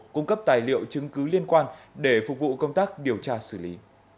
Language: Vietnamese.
cung cấp tài liệu chứng cứ liên quan để phục vụ công tác điều tra xử lý